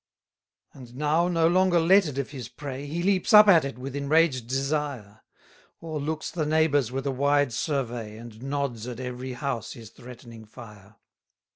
222 And now no longer letted of his prey, He leaps up at it with enraged desire: O'erlooks the neighbours with a wide survey, And nods at every house his threatening fire.